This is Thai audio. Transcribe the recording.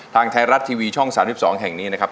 ทางไทยรัฐทีวีช่อง๓๒แห่งนี้นะครับ